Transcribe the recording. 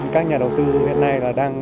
các nhà đầu tư hiện nay là đang